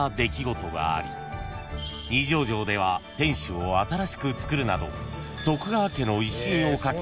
［二条城では天守を新しく造るなど］